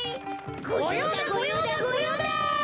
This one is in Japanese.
ごようだごようだごようだ！